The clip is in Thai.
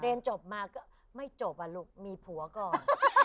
เรียนจบมาก็ไม่จบอ่ะลูกมีผัวก่อน